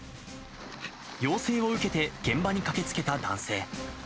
要請を受けて現場に駆けつけた男性。